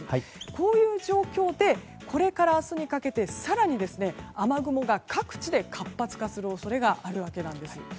こういう状況でこれから明日にかけて更に雨雲が各地で活発化する恐れがあるわけなんです。